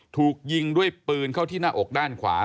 ถูกยิงด้วยปืนเข้าที่หน้าอกด้านขวา